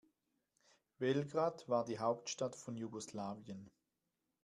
Belgrad war die Hauptstadt von Jugoslawien.